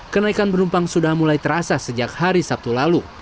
kenaikan penumpang sudah mulai terasa sejak hari sabtu lalu